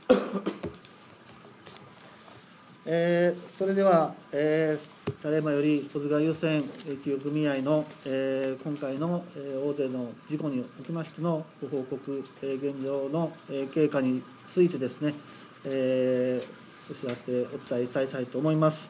それではただいまより、保津川遊船企業組合の今回のの事故におきましてのご報告、現状の経過について、お知らせ、お伝えしたいと思います。